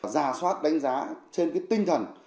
già soát đánh giá trên tinh thần